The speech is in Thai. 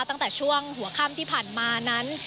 ตั้งแต่ช่วงหัวค่ำที่ผ่านมานั้น